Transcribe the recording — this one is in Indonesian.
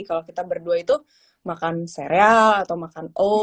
kalau kita berdua itu makan sereal atau makan o